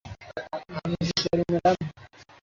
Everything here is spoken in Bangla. আমি যেতে পারি, ম্যাডাম?